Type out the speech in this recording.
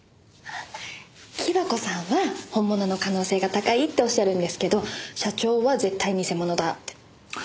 貴和子さんは本物の可能性が高いっておっしゃるんですけど社長は絶対偽物だって。